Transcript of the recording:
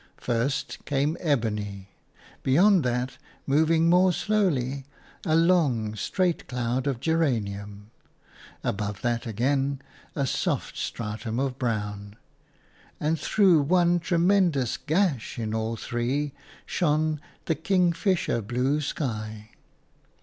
First came ebony; beyond that, moving more slowly, a long, straight cloud of geranium; above that again, a soft stratum of brown; and through one tremendous gash in all three shone the kingfisher blue sky.